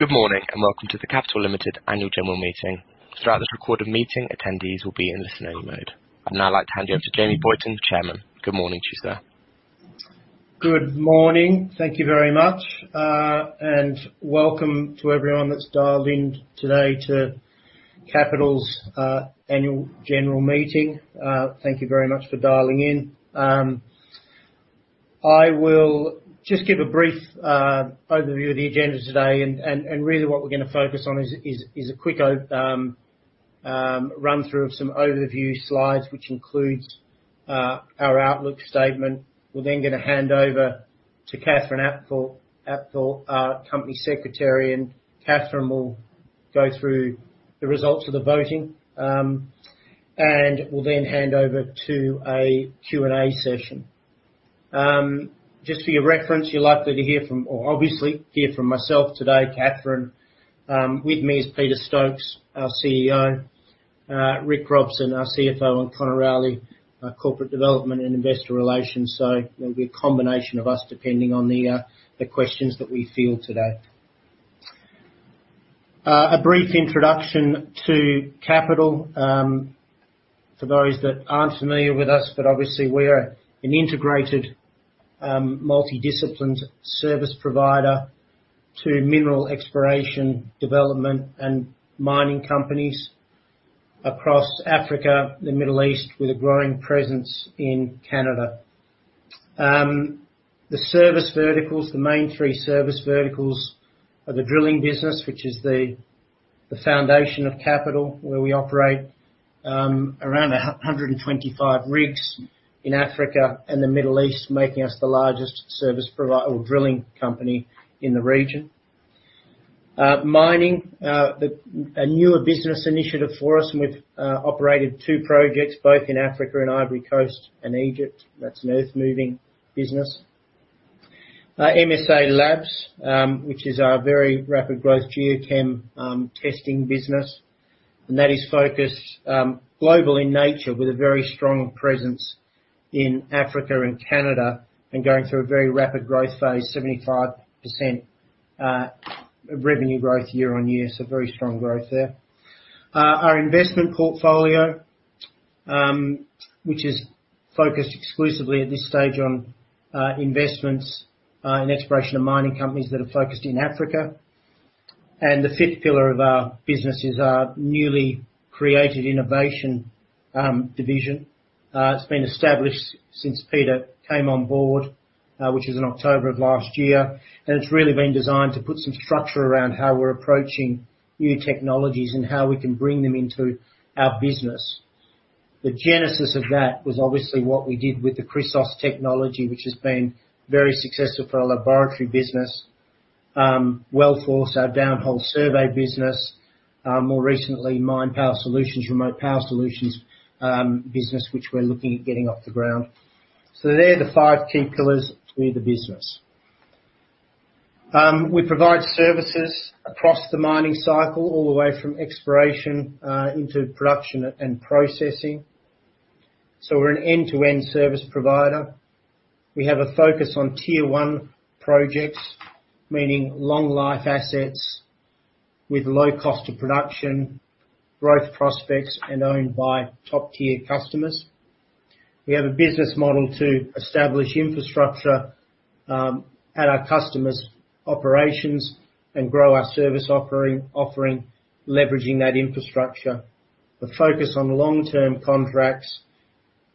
Good morning, and welcome to the Capital Limited Annual General Meeting. Throughout this recorded meeting, attendees will be in listen-only mode. I'd now like to hand you over to Jamie Boyton, the Chairman. Good morning to you, sir. Good morning. Thank you very much. Welcome to everyone that's dialed in today to Capital's annual general meeting. Thank you very much for dialing in. I will just give a brief overview of the agenda today and really what we're going to focus on is a quick run-through of some overview slides, which includes our outlook statement. We're then going to hand over to Catherine Apthorpe, our Company Secretary, and Catherine will go through the results of the voting, and we'll then hand over to a Q&A session. Just for your reference, you're likely to hear from, or obviously hear from myself today, Catherine. With me is Peter Stokes, our CEO, Rick Robson, our CFO, and Conor Rowley, our Corporate Development and Investor Relations. It'll be a combination of us depending on the questions that we field today. A brief introduction to Capital for those that aren't familiar with us. Obviously we are an integrated multi-disciplined service provider to mineral exploration, development, and mining companies across Africa, the Middle East, with a growing presence in Canada. The service verticals, the main three service verticals are the drilling business, which is the foundation of Capital, where we operate around 125 rigs in Africa and the Middle East, making us the largest service or drilling company in the region. Mining, a newer business initiative for us, and we've operated two projects both in Africa and Ivory Coast and Egypt. That's an earthmoving business. MSALABS, which is our very rapid growth geochem testing business, that is focused global in nature with a very strong presence in Africa and Canada and going through a very rapid growth phase, 75% revenue growth year-on-year. Very strong growth there. Our investment portfolio, which is focused exclusively at this stage on investments and exploration of mining companies that are focused in Africa. The fifth pillar of our business is our newly created innovation division. It's been established since Peter came on board, which is in October of last year, it's really been designed to put some structure around how we're approaching new technologies and how we can bring them into our business. The genesis of that was obviously what we did with the Chrysos technology, which has been very successful for our laboratory business. WellForce, our downhole survey business. More recently, Minepower Solutions, remote power solutions business, which we're looking at getting off the ground. They're the five key pillars to the business. We provide services across the mining cycle, all the way from exploration, into production and processing. We're an end-to-end service provider. We have a focus on tier one projects, meaning long life assets with low cost of production, growth prospects, and owned by top-tier customers. We have a business model to establish infrastructure at our customers' operations and grow our service offering, leveraging that infrastructure. The focus on long-term contracts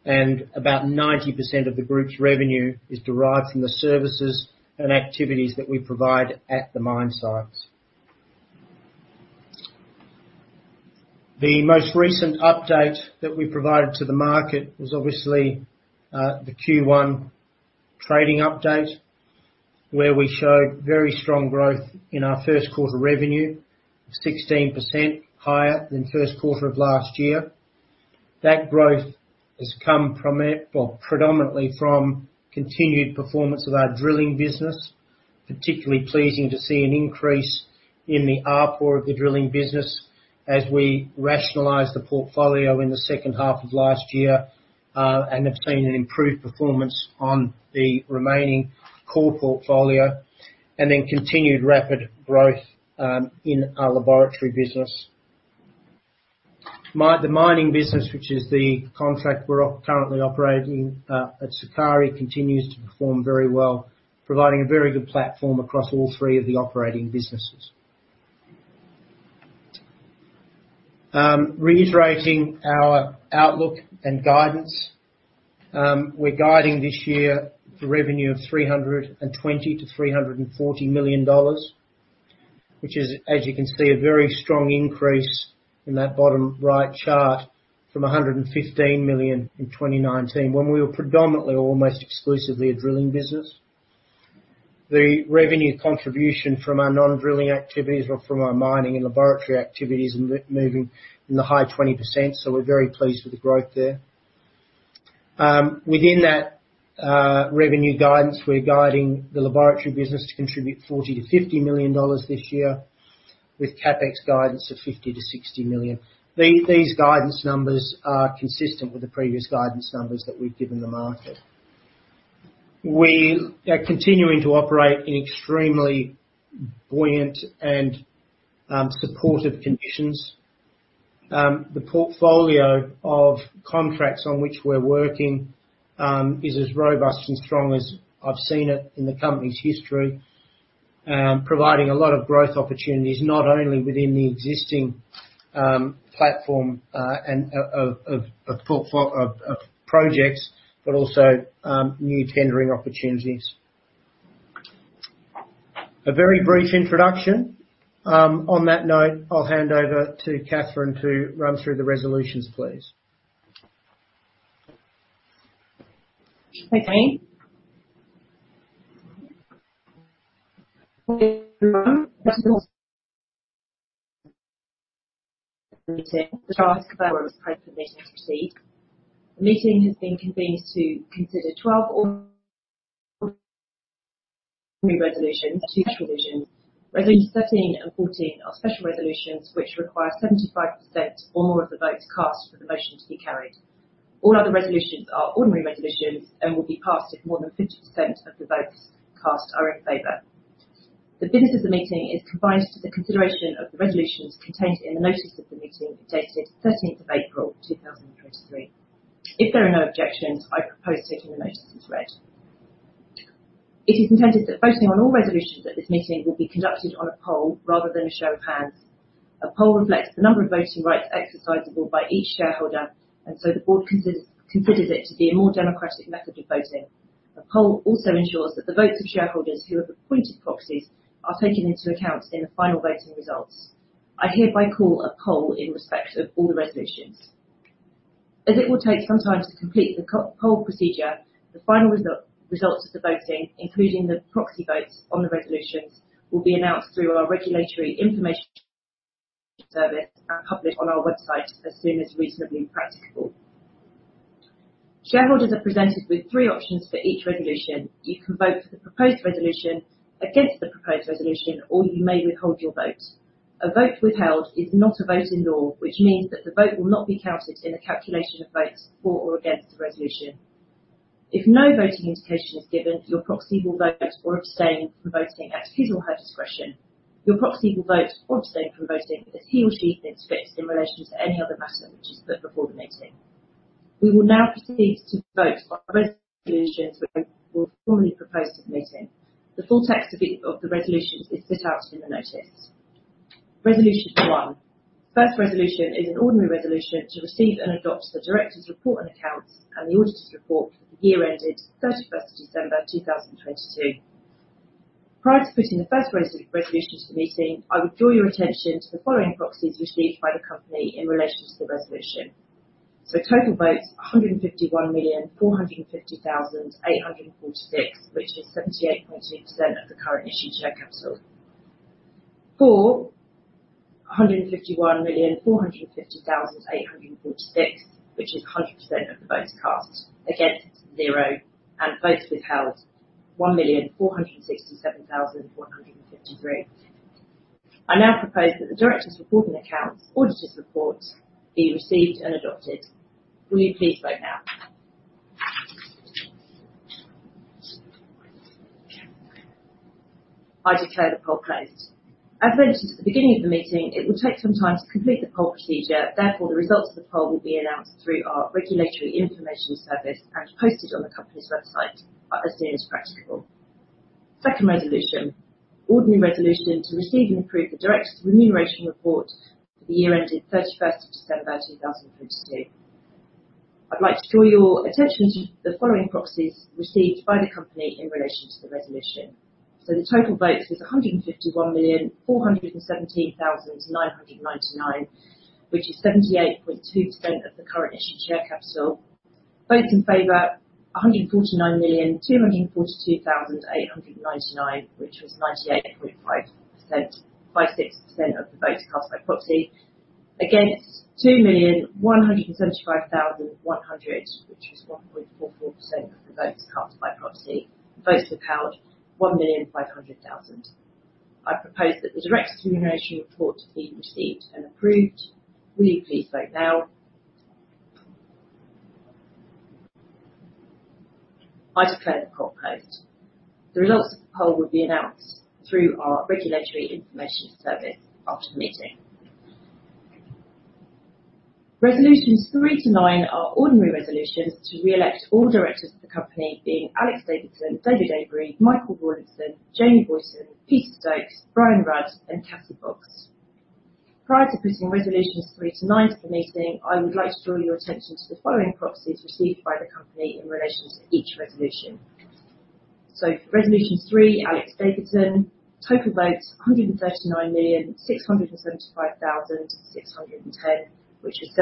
and about 90% of the group's revenue is derived from the services and activities that we provide at the mine sites. The most recent update that we provided to the market was obviously the Q1 trading update, where we showed very strong growth in our Q1 revenue, 16% higher than Q1 of last year. That growth has come predominantly from continued performance of our drilling business. Particularly pleasing to see an increase in the ARPU of the drilling business as we rationalize the portfolio in the H2 of last year and have seen an improved performance on the remaining core portfolio and then continued rapid growth in our laboratory business. The mining business, which is the contract we're currently operating at Sukari, continues to perform very well, providing a very good platform across all three of the operating businesses. Reiterating our outlook and guidance. We're guiding this year the revenue of $320 million-$340 million, which is, as you can see, a very strong increase in that bottom right chart from $115 million in 2019 when we were predominantly almost exclusively a drilling business. The revenue contribution from our non-drilling activities or from our mining and laboratory activities moving in the high 20%, so we're very pleased with the growth there. Within that revenue guidance, we're guiding the laboratory business to contribute $40 million-$50 million this year with CapEx guidance of $50 million-$60 million. These guidance numbers are consistent with the previous guidance numbers that we've given the market. We are continuing to operate in extremely buoyant and supportive conditions. The portfolio of contracts on which we're working is as robust and strong as I've seen it in the company's history, providing a lot of growth opportunities, not only within the existing platform and of projects, but also new tendering opportunities. A very brief introduction. On that note, I'll hand over to Catherine to run through the resolutions, please. Thank you. The meeting has been convened to consider 12 resolutions. Resolutions 13 and 14 are special resolutions, which require 75% or more of the votes cast for the motion to be carried. All other resolutions are ordinary resolutions and will be passed if more than 50% of the votes cast are in favor. The business of the meeting is confined to the consideration of the resolutions contained in the notice of the meeting dated 13th of April, 2023. If there are no objections, I propose taking the notices read. It is intended that voting on all resolutions at this meeting will be conducted on a poll rather than a show of hands. A poll reflects the number of voting rights exercisable by each shareholder, the board considers it to be a more democratic method of voting. A poll also ensures that the votes of shareholders who have appointed proxies are taken into account in the final voting results. I hereby call a poll in respect of all the resolutions. As it will take some time to complete the co-poll procedure, the final results of the voting, including the proxy votes on the resolutions, will be announced through our Regulatory News Service and published on our website as soon as reasonably practicable. Shareholders are presented with three options for each resolution. You can vote for the proposed resolution, against the proposed resolution, or you may withhold your vote. A vote withheld is not a vote in law, which means that the vote will not be counted in the calculation of votes for or against the resolution. If no voting indication is given, your proxy will vote or abstain from voting at his or her discretion. Your proxy will vote or abstain from voting as he or she thinks fit in relation to any other matter which is put before the meeting. We will now proceed to vote on resolutions which were formally proposed at the meeting. The full text of the resolutions is set out in the notice. Resolution one. 1st resolution is an ordinary resolution to receive and adopt the director's report and accounts and the auditor's report for the year ended 31st of December, 2022. Prior to putting the 1st resolution to the meeting, I would draw your attention to the following proxies received by the company in relation to the resolution. Total votes, 151,450,846, which is 78.6% of the current issued share capital. For 151,450,846, which is 100% of the votes cast. Against, 0. Votes withheld, 1,467,153. I now propose that the director's report and accounts, auditor's report be received and adopted. Will you please vote now. I declare the poll closed. As mentioned at the beginning of the meeting, it will take some time to complete the poll procedure. Therefore, the results of the poll will be announced through our Regulatory News Service and posted on the company's website as soon as practicable. Second resolution, ordinary resolution to receive and approve the directors' remuneration report for the year ended 31st of December, 2022. I'd like to draw your attention to the following proxies received by the company in relation to the resolution. The total votes was 151,417,999, which is 78.2% of the current issued share capital. Votes in favor, 149,242,899, which was 98.56% of the votes cast by proxy. Against, 2,175,100, which was 1.44% of the votes cast by proxy. Votes withheld, 1,500,000. I propose that the directors' remuneration report be received and approved. Will you please vote now. I declare the poll closed. The results of the poll will be announced through our Regulatory News Service after the meeting. Resolutions three to nine are ordinary resolutions to re-elect all directors of the company, being Alex Davidson, David Avery, Michael Rawlinson, Jamie Boyton, Peter Stokes, Brian Rudd, and Kathy Fox. Prior to putting resolutions three to nine to the meeting, I would like to draw your attention to the following proxies received by the company in relation to each resolution. Resolution three, Alex Davidson. Total votes, 139,675,610, which is 72%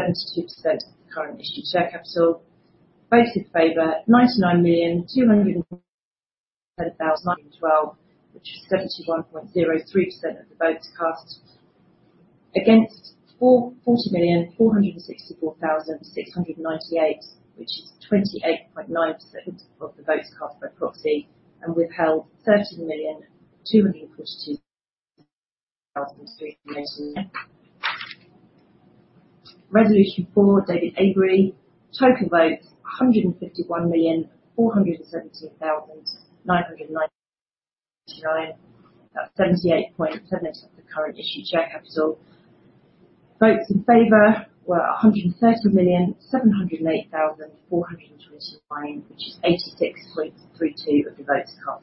of the current issued share capital. Votes in favor, 99,200,912, which is 71.03% of the votes cast.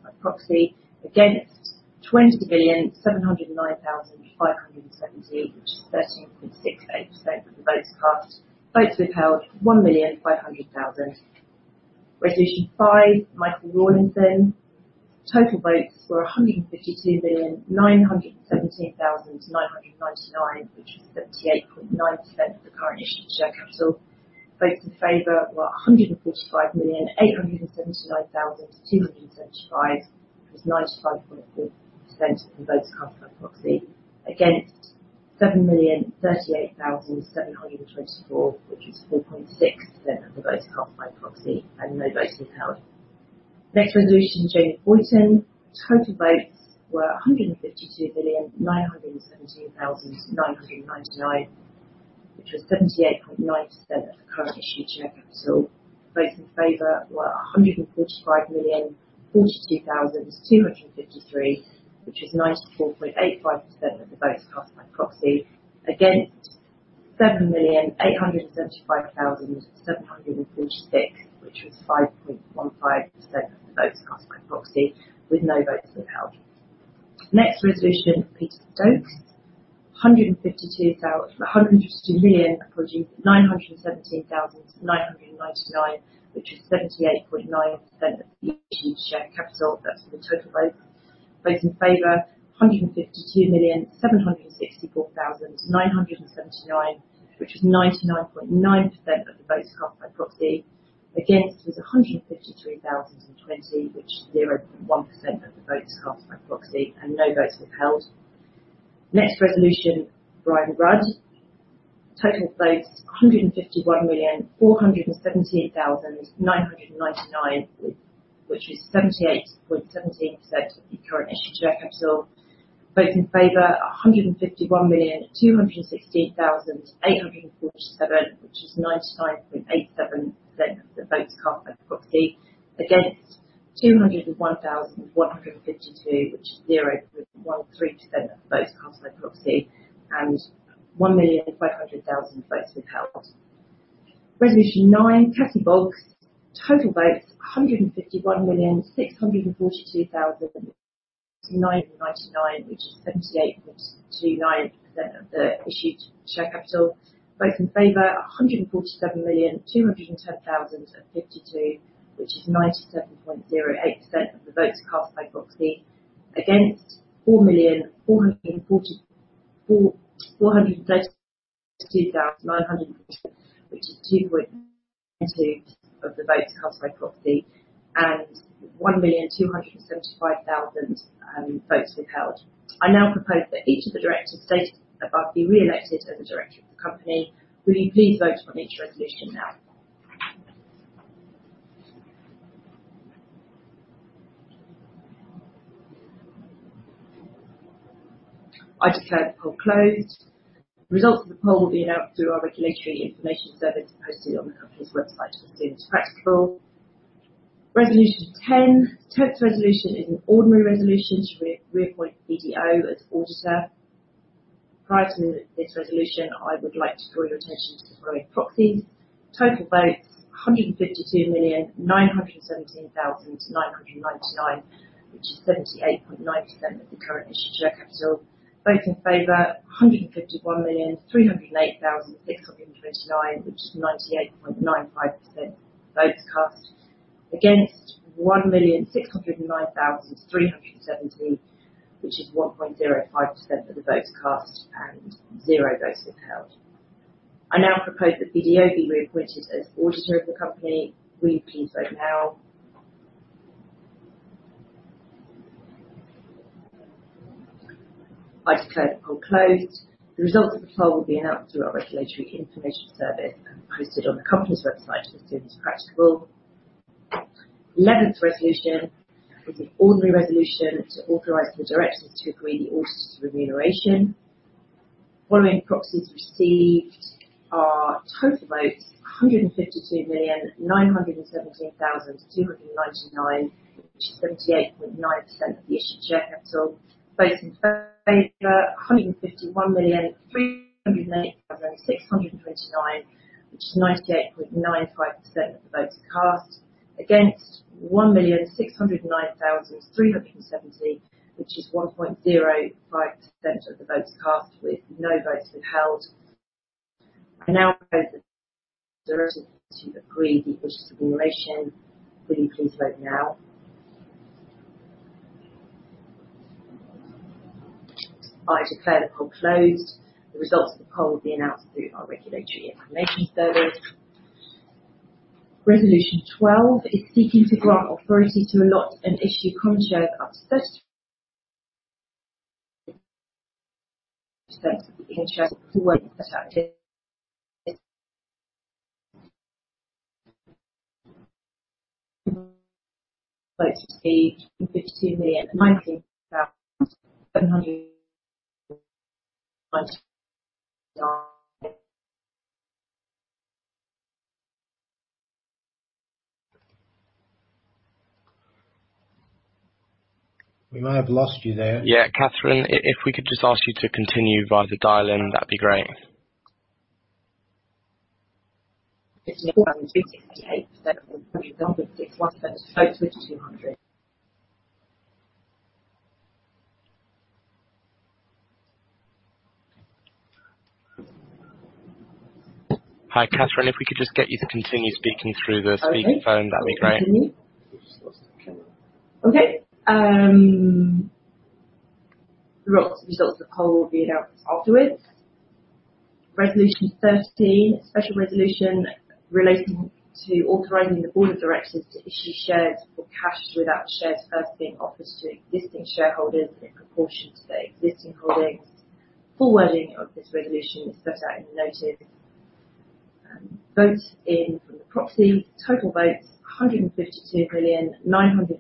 Against, 40,464,698, which is 28.9% of the votes cast by proxy. Withheld, 13,242,300. Resolution four, David Avery. Total votes, 151,417,999. That's 78.7% of the current issued share capital. Votes in favor were 130,708,429, which is 86.32% of the votes cast by proxy. Against, 20,709,570, which is 13.68% of the votes cast. Votes withheld, 1,500,000. Resolution five, Michael Rawlinson. Total votes were 152,917,999, which is 78.9% of the current issued share capital. Votes in favor were 145,879,275. That's 95.6% of the votes cast by proxy. Against, 7,038,724, which is 4.6% of the votes cast by proxy. No votes withheld. Next resolution, Jamie Boyton. Total votes were 152,917,999, which was 78.9% of the current issued share capital. Votes in favor were 145,042,253, which is 94.85% of the votes cast by proxy. Against, 7,875,736, which was 5.15% of the votes cast by proxy, with no votes withheld. Next resolution, Peter Stokes. 152,917,999, which is 78.9% of the issued share capital. That's for the total vote. Votes in favor, 152,764,979, which is 99.9% of the votes cast by proxy. Against, it was 153,020, which is 0.1% of the votes cast by proxy, and no votes withheld. Next resolution, Brian Rudd. Total votes, 151,417,999, which is 78.17% of the current issued share capital. Votes in favor, 151,216,847, which is 99.87% of the votes cast by proxy. Against, 201,152, which is 0.13% of the votes cast by proxy. 1,500,000 votes withheld. Resolution nine, Catherine Fox. Total votes, 151,642,999, which is 78.29% of the issued share capital. Votes in favor, 147,210,052, which is 97.08% of the votes cast by proxy. 4,077,350, which is 2.2% of the votes cast by proxy, and 1,275,000 votes withheld. I now propose that each of the directors stated above be re-elected as a director of the company. Will you please vote on each resolution now? I declare the poll closed. The results of the poll will be announced through our Regulatory News Service and posted on the company's website as soon as practical. Resolution 10. Tenth resolution is an ordinary resolution to re-appoint BDO as auditor. Prior to this resolution, I would like to draw your attention to the following proxies. Total votes, 152,917,999, which is 78.9% of the current issued share capital. Votes in favor, 151,308,629, which is 98.95% votes cast. Against, 1,609,370, which is 1.05% of the votes cast, and 0 votes withheld. I now propose that BDO be reappointed as auditor of the company. Will you please vote now? I declare the poll closed. The results of the poll will be announced through our Regulatory News Service and posted on the company's website as soon as practical. Eleventh resolution is an ordinary resolution to authorize the directors to agree the auditor's remuneration. Following proxies received, our total votes, 152,917,299, which is 78.9% of the issued share capital. Votes in favor, 151,308,629, which is 98.95% of the votes cast. Against, 1,609,370, which is 1.05% of the votes cast, with no votes withheld. I now propose that directors to agree the auditor's remuneration. Will you please vote now? I declare the poll closed. The results of the poll will be announced through our Regulatory News Service. Resolution 12 is seeking to grant authority to allot and issue common shares up to 30% of the issued share capital. Votes to be 52,096,799. We might have lost you there. Yeah, Catherine, if we could just ask you to continue via the dial-in, that'd be great. $68,100. [inaudible] Hi, Catherine. If we could just get you to continue speaking through the speaker phone, that'd be great. The results of the poll will be announced afterwards. Resolution 13. Special resolution relating to authorizing the board of directors to issue shares for cash without shares first being offered to existing shareholders in proportion to their existing holdings. The full wording of this resolution is set out in the notice. Vote in from the proxy. Total votes, 152,960,999, which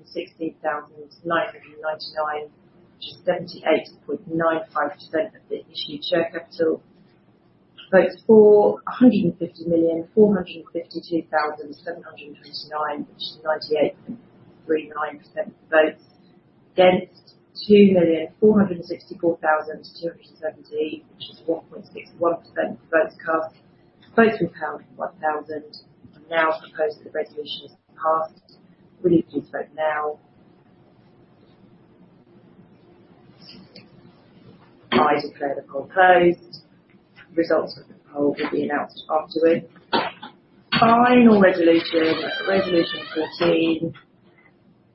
is 78.95% of the issued share capital. Votes for, 150,452,729, which is 98.39% of the votes. Against, 2,464,270, which is 1.61% of the votes cast. Votes withheld, 1,000. I now propose that the resolution is passed. Will you please vote now? I declare the poll closed. Results of the poll will be announced afterward. Final resolution. Resolution 14.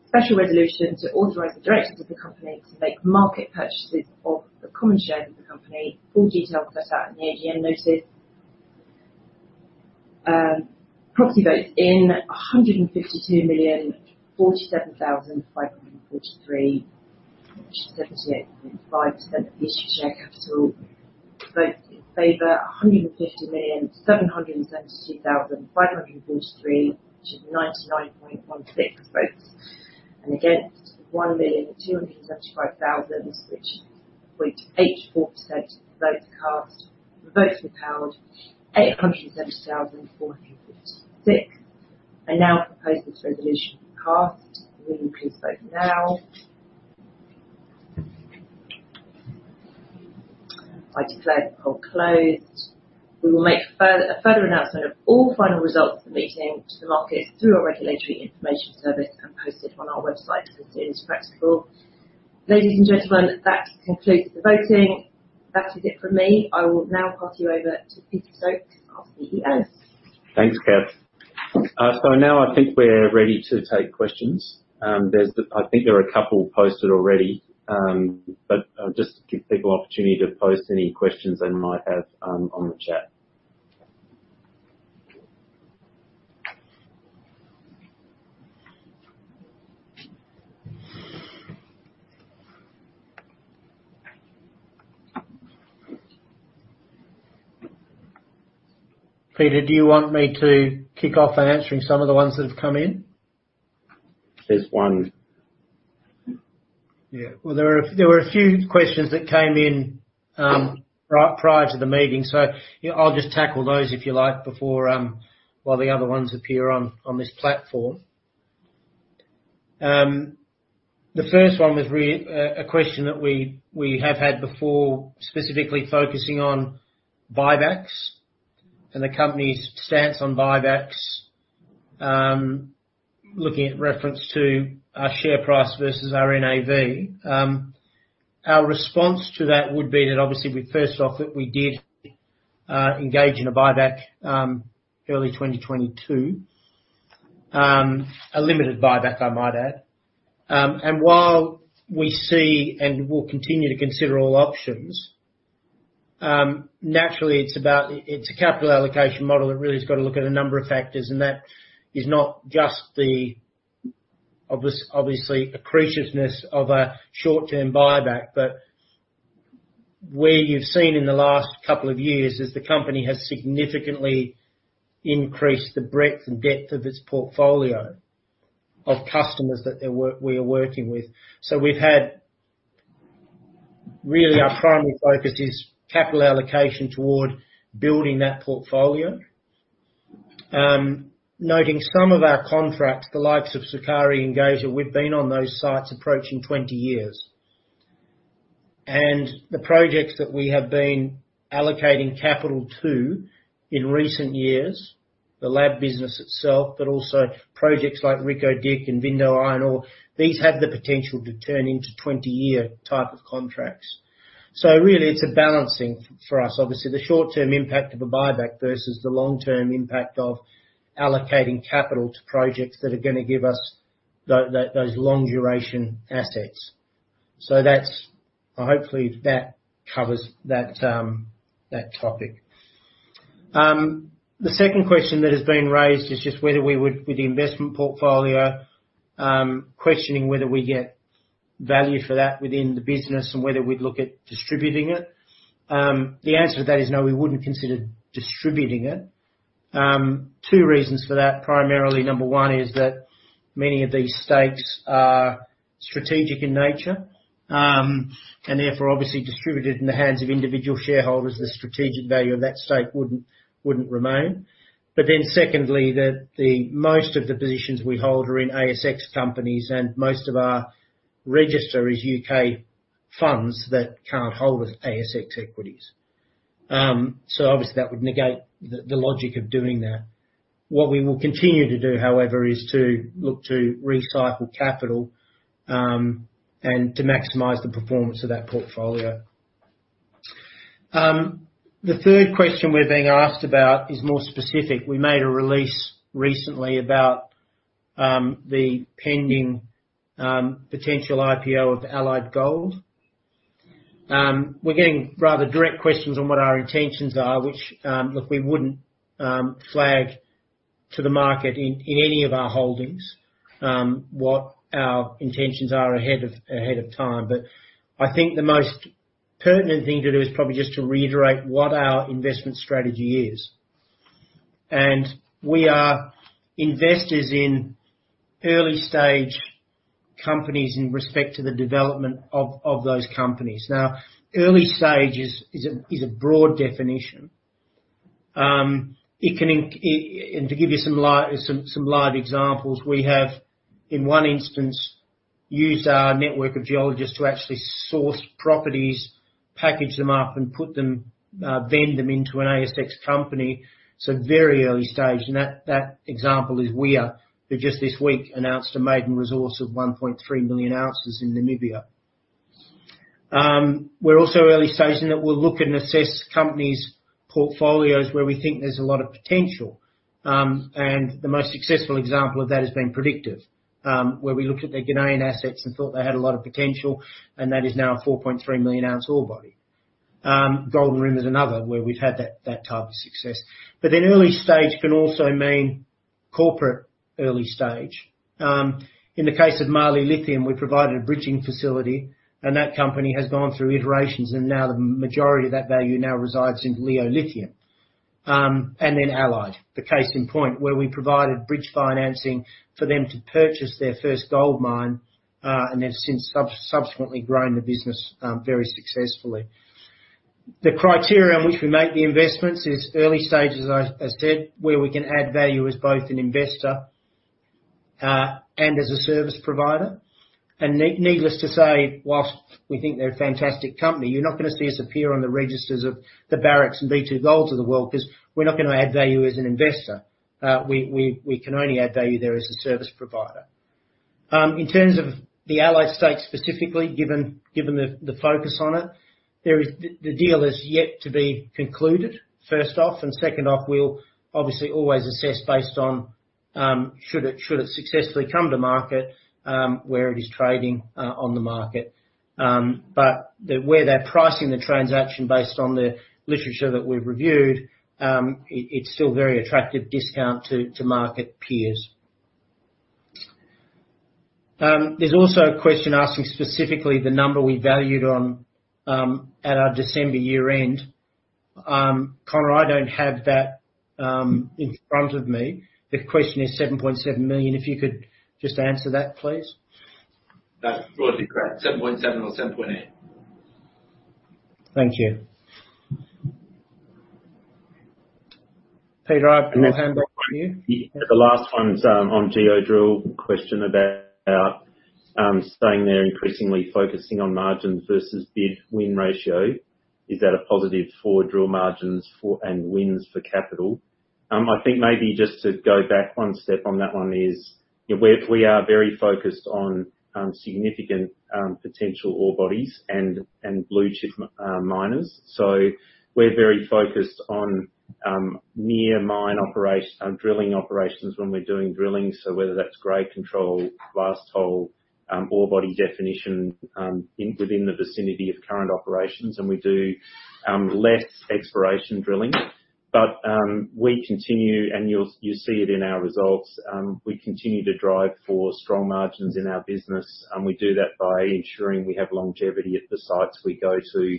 Special resolution to authorize the directors of the company to make market purchases of the common shares of the company. Full details are set out in the AGM notice. Proxy votes in, 152,047,543, which is 78.5% of the issued share capital. Votes in favor, 150,772,543, which is 99.16 votes. Against, 1,275,000, which is 0.84% of the votes cast. Votes withheld, 870,456. I now propose this resolution be passed. Will you please vote now? I declare the poll closed. We will make a further announcement of all final results of the meeting to the market through our regulatory information service and posted on our website as soon as practical. Ladies and gentlemen, that concludes the voting. That is it from me. I will now pass you over to Peter Stokes, our CEO. Thanks, Cat. Now I think we're ready to take questions. I think there are a couple posted already. I'll just give people opportunity to post any questions they might have, on the chat. Peter, do you want me to kick off answering some of the ones that have come in? There's one. Well, there were a few questions that came in prior to the meeting, so I'll just tackle those if you like, before while the other ones appear on this platform. The first one was a question that we have had before, specifically focusing on buybacks and the company's stance on buybacks, looking at reference to our share price versus our NAV. Our response to that would be that obviously, we first off that we did engage in a buyback early 2022. A limited buyback, I might add. While we see and will continue to consider all options, naturally it's about. It's a capital allocation model that really has got to look at a number of factors, and that is not just the obviously accretiveness of a short-term buyback. Where you've seen in the last couple of years is the company has significantly increased the breadth and depth of its portfolio of customers that we are working with. We've had. Really, our primary focus is capital allocation toward building that portfolio. Noting some of our contracts, the likes of Sukari and Geita, we've been on those sites approaching 20 years. The projects that we have been allocating capital to in recent years, the lab business itself, but also projects like Reko Diq and Belinga Iron Ore, these have the potential to turn into 20-year type of contracts. Really, it's a balancing for us. Obviously, the short-term impact of a buyback versus the long-term impact of allocating capital to projects that are going to give us those long duration assets. That's. Hopefully, that covers that topic. The second question that has been raised is just whether we would, with the investment portfolio, questioning whether we get value for that within the business and whether we'd look at distributing it. The answer to that is no, we wouldn't consider distributing it. Two reasons for that. Primarily, number one is that many of these stakes are strategic in nature, and therefore obviously distributed in the hands of individual shareholders. The strategic value of that stake wouldn't remain. Secondly, the most of the positions we hold are in ASX companies, and most of our register is UK funds that can't hold with ASX equities. So obviously, that would negate the logic of doing that. What we will continue to do, however, is to look to recycle capital, and to maximize the performance of that portfolio. The third question we're being asked about is more specific. We made a release recently about the pending potential IPO of Allied Gold. We're getting rather direct questions on what our intentions are, which look, we wouldn't flag to the market in any of our holdings what our intentions are ahead of time. I think the most pertinent thing to do is probably just to reiterate what our investment strategy is. We are investors in early stage companies in respect to the development of those companies. Now, early stage is a broad definition. It can To give you some live examples, we have, in one instance, used our network of geologists to actually source properties, package them up and put them, vend them into an ASX company, so very early stage. That example is WIA Gold, who just this week announced a maiden resource of 1.3 million ounces in Namibia. We're also early stage in that we'll look and assess companies' portfolios where we think there's a lot of potential. The most successful example of that has been Predictive Discovery, where we looked at their Ghanaian assets and thought they had a lot of potential, and that is now a 4.3 million ounce ore body. Golden Rim Resources is another where we've had that type of success. Early stage can also mean corporate early stage. In the case of Mali Lithium, we provided a bridging facility and that company has gone through iterations and now the majority of that value now resides in Leo Lithium. Allied, the case in point, where we provided bridge financing for them to purchase their first gold mine, and they've since subsequently grown the business very successfully. The criteria in which we make the investments is early stages, as I said, where we can add value as both an investor and as a service provider. Needless to say, whilst we think they're a fantastic company, you're not gonna see us appear on the registers of the Barrick and B2Gold of the world, 'cause we're not gonna add value as an investor. We can only add value there as a service provider. In terms of the Allied stakes specifically, given the focus on it, The deal is yet to be concluded, first off. Second off, we'll obviously always assess based on should it successfully come to market, where it is trading on the market. The way they're pricing the transaction based on the literature that we've reviewed, it's still very attractive discount to market peers. There's also a question asking specifically the number we valued on at our December year-end. Connor, I don't have that in front of me. The question is $7.7 million. If you could just answer that, please. That's broadly correct. 7.7 or 7.8. Thank you. Peter, I will hand back to you. The last one's on Geodrill. Question about staying there, increasingly focusing on margins versus bid-win ratio. Is that a positive for drill margins for, and wins for Capital? I think maybe just to go back one step on that one is, you know, we're, we are very focused on significant potential ore bodies and blue chip miners. We're very focused on near mine drilling operations when we're doing drilling, so whether that's grade control, blast hole, ore body definition, within the vicinity of current operations, and we do less exploration drilling. We continue, and you'll see it in our results, we continue to drive for strong margins in our business, and we do that by ensuring we have longevity at the sites we go to.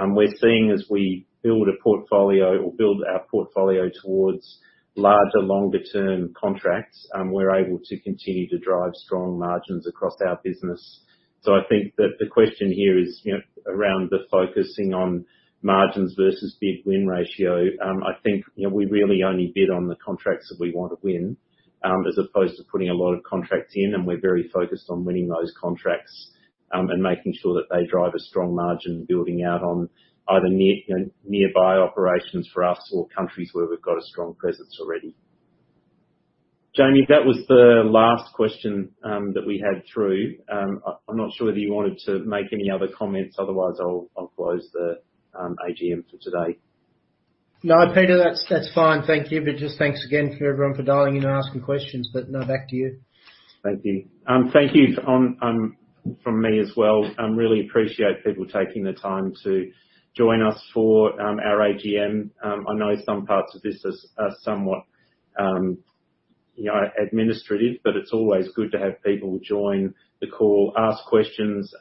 We're seeing as we build a portfolio or build our portfolio towards larger, longer term contracts, we're able to continue to drive strong margins across our business. I think that the question here is, you know, around the focusing on margins versus bid-win ratio. I think, you know, we really only bid on the contracts that we want to win, as opposed to putting a lot of contracts in, and we're very focused on winning those contracts, and making sure that they drive a strong margin building out on either nearby operations for us or countries where we've got a strong presence already. Jamie, that was the last question that we had through. I'm not sure whether you wanted to make any other comments, otherwise I'll close the AGM for today. No, Peter. That's fine. Thank you. Just thanks again for everyone for dialing in and asking questions. No, back to you. Thank you. Thank you on from me as well. Really appreciate people taking the time to join us for our AGM. I know some parts of this is, are somewhat, you know, administrative, but it's always good to have people join the call, ask questions.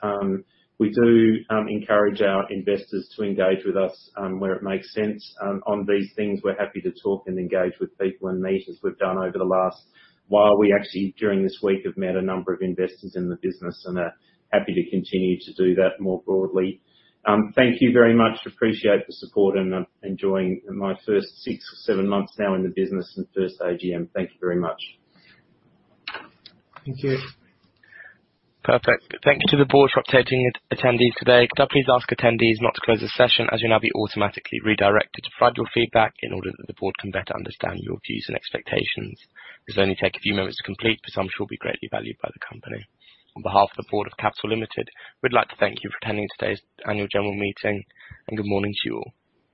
We do encourage our investors to engage with us where it makes sense. On these things, we're happy to talk and engage with people and meet, as we've done over the last while. We actually, during this week, have met a number of investors in the business and are happy to continue to do that more broadly. Thank you very much. Appreciate the support and enjoying my first six or seven months now in the business and the first AGM. Thank you very much. Thank you. Perfect. Thank you to the board for updating attendees today. Could I please ask attendees not to close this session, as you'll now be automatically redirected to provide your feedback in order that the board can better understand your views and expectations. This will only take a few moments to complete, but I'm sure it will be greatly valued by the company. On behalf of the board of Capital Limited, we'd like to thank you for attending today's annual general meeting, and good morning to you all.